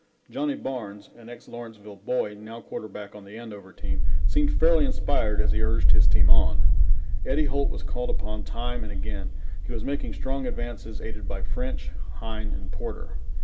Johnnie Barnes, an ex Lawrenceville boy, now quarterback on the Andover team, seemed fairly inspired as he urged his team on. Eddie Holt was called upon time and again. He was making strong advances, aided by French, Hine and Porter.